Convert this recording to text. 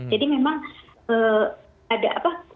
jadi memang ada apa